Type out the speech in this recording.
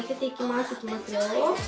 いきますよ。